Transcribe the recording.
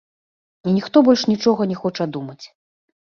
І ніхто больш нічога не хоча думаць.